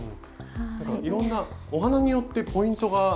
いろんなお花によってポイントが。ありますね。